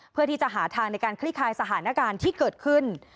เพื่อที่จะหาทางในการคลี่คลายสถานการณ์ที่เกิดขึ้น